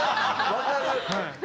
わかる！